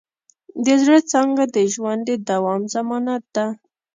د زړۀ څانګه د ژوند د دوام ضمانت ده.